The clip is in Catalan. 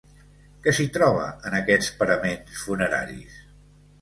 Què s'hi troba en aquests paraments funeraris?